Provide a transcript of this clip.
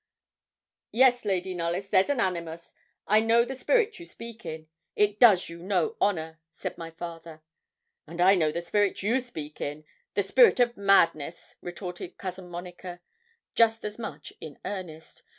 'Yes, Lady Knollys, there's an animus; I know the spirit you speak in it does you no honour,' said my father. 'And I know the spirit you speak in, the spirit of madness,' retorted Cousin Monica, just as much in earnest.